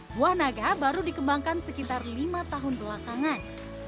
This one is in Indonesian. buah naga baru dikembangkan sekitar lima tahun belakangan